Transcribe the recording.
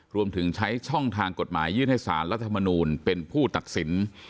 รวมถึงใช้ช่องทางกฎหมายยื่นให้สารรัฐมนูลเป็นผู้ตัดสิน